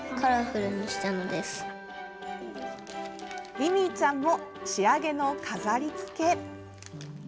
りみいちゃんも仕上げの飾り付け。